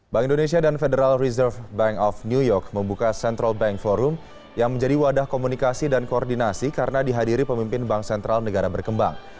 bank indonesia dan federal reserve bank of new york membuka central bank forum yang menjadi wadah komunikasi dan koordinasi karena dihadiri pemimpin bank sentral negara berkembang